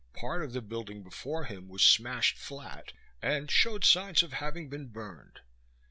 Part of the building before him was smashed flat and showed signs of having been burned.